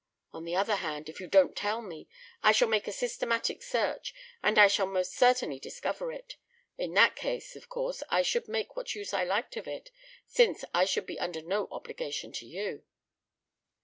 On the other hand, if you don't tell me I shall make a systematic search, and I shall most certainly discover it. In that case, of course, I should make what use I liked of it, since I should be under no obligation to you."